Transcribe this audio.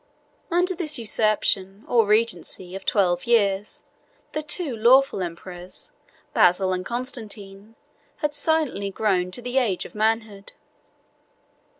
] Under this usurpation, or regency, of twelve years, the two lawful emperors, Basil and Constantine, had silently grown to the age of manhood.